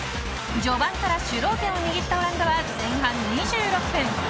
序盤から主導権を握ったオランダは前半２６分。